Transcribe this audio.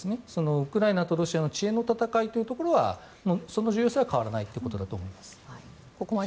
ウクライナとロシアの知恵の戦いというところはその重要性は変わらないということだと思います。